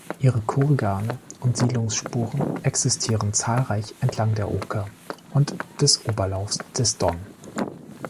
Ihre Kurgane und Siedlungsspuren existieren zahlreich entlang der Oka und des Oberlaufs des Don.